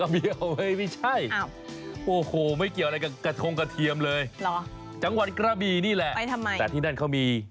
ไปกันที่จังหวัดกระบี